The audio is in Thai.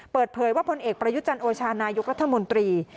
เปิดเผยว่าพลเอกประยุจันโอชานายกรัฐมนตรี